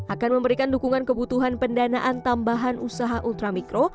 akan memberikan dukungan kebutuhan pendanaan tambahan usaha ultramikro